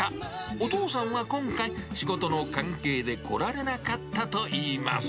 お父さんは今回、仕事の関係で来られなかったといいます。